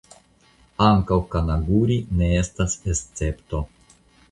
Ankaŭ Kanaguri ne estis escepto.